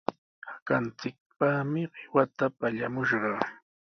Hakanchikpaqmi qiwata pallamushqaa.